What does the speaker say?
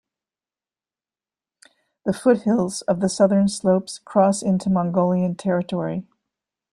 The foothills of the southern slopes cross into Mongolian territory.